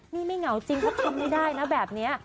นี่ไม่เหงาจริงเขาทำไม่ได้นะแบบนี้